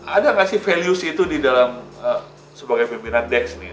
ada nggak sih values itu di dalam sebagai pimpinan deks nih